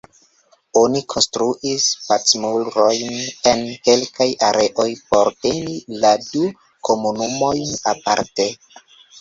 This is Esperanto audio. Oni konstruis "Pacmurojn" en kelkaj areoj por teni la du komunumojn aparte.